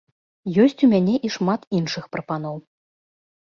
Ёсць у мяне і шмат іншых прапаноў.